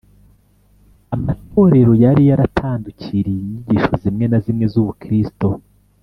Amatorero yari yaratandukiriye inyigisho zimwe na zimwe z ubukristo